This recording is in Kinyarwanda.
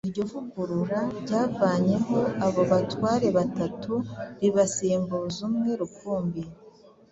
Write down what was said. Iryo vugurura ryavanyeho abo batware batatu ribasimbuza umwe rukumbi